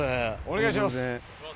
お願いします。